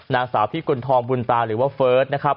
นางสาวพิกุณฑองบุญตาหรือว่าเฟิร์สนะครับ